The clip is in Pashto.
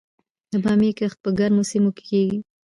د بامیې کښت په ګرمو سیمو کې کیږي؟